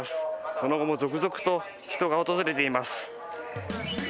その後も続々と人が訪れています。